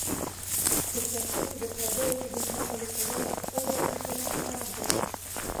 په سیاست کې د پردیو ایجنډا پلي کول د خپل وطن سره خیانت دی.